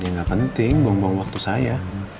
yang gak penting buang buang waktu saya